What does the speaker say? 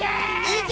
いけ！